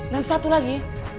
dan satu lagi